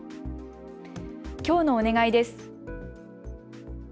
きょうのお願いです。